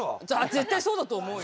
絶対そうだと思うよ。